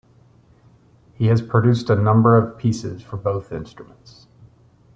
He has produced a number of pieces for both instruments.